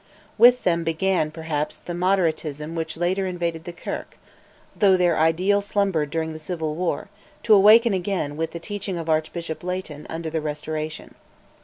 With them began, perhaps, the "Moderatism" which later invaded the Kirk; though their ideal slumbered during the civil war, to awaken again, with the teaching of Archbishop Leighton, under the Restoration.